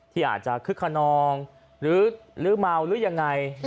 ที่อาจจะคึกขนองหรือเมาหรือยังไง